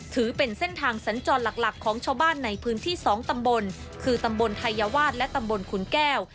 ถือเป็นเส้นทางสัญจรหลักของชาวบ้านในพื้นที่๒ตำบลคือตำบลไทยวาสและตำบลขุนแก้ว